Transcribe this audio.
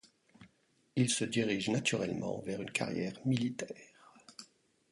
Il se dirige naturellement vers une carrière militaire.